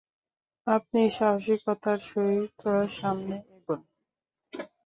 আপনি সাহসিকতার সহিত সামনে এগোন।